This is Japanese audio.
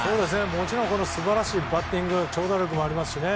もちろん素晴らしいバッティング長打力もありますし